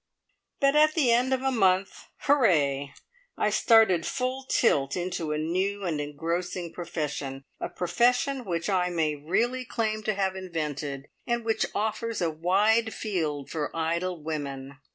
But at the end of a month hurrah! I started full tilt into a new and engrossing profession, a profession which I may really claim to have invented, and which offers a wide field for idle women.